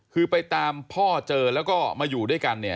คือไปตามพ่อเจอแล้วก็มาอยู่ด้วยกันเนี่ย